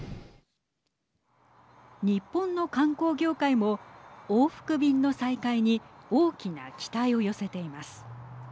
日本の観光業界も往復便の再開に大きな期待を寄せています。